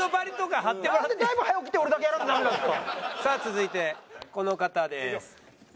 さあ続いてこの方です。